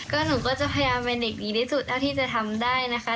ก็หนูก็จะพยายามเป็นเด็กดีที่สุดเท่าที่จะทำได้นะคะ